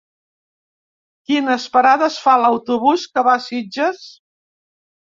Quines parades fa l'autobús que va a Sitges?